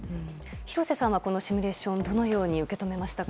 廣瀬さんはこのシミュレーションをどのように受け止めましたか？